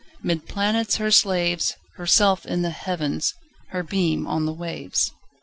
'Mid planets her slaves, Herself in the Heavens, Her beam on the waves.